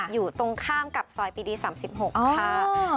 อยู่ตรงข้ามกับซอยปีดี๓๖ค่ะ